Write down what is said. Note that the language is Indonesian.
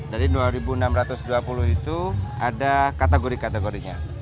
dari dua enam ratus dua puluh itu ada kategori kategorinya